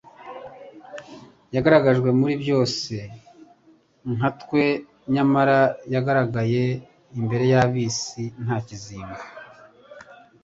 Yageragejwe muri byose nkatwe nyamara yagaragaye imbere y'ab'isi ari nta kizinga,